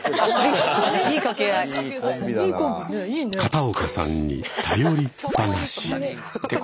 片岡さんに頼りっぱなし。